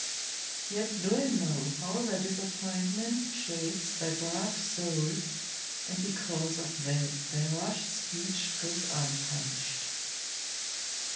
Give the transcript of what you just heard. Yet do I know how thy disappointment chafes thy brave soul, and because of that thy rash speech goes unpunished."